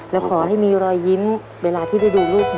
และขอให้มีรอยยิ้มเวลาที่ได้ดูรูปนี้